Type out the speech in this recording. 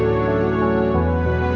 dianggeng di depan kur colors